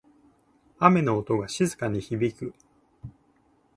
雨の音が静かに響く。